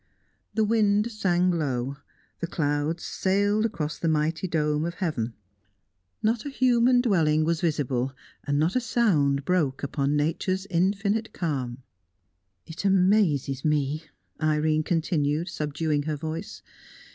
The wind sang low; the clouds sailed across the mighty dome of heaven; not a human dwelling was visible, and not a sound broke upon nature's infinite calm. "It amazes me," Irene continued, subduing her voice.